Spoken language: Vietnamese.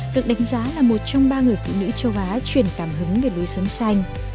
được đánh giá là một trong ba người phụ nữ châu á truyền cảm hứng về lối sống xanh